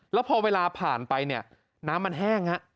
แล้วพอเวลาผ่านไปเนี่ยน้ำมันแห้งฮะ